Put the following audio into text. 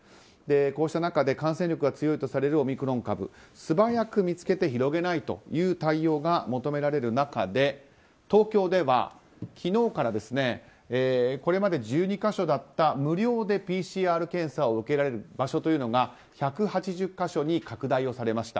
こうした中で感染力が強いとされるオミクロン株素早く見つけて広げないという対応が求められる中で東京では昨日からこれまで１２か所だった無料でＰＣＲ検査を受けられる場所というのが１８０か所に拡大されました。